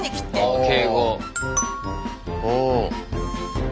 あ敬語。